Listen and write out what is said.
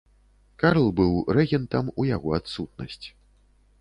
Карл быў рэгентам у яго адсутнасць.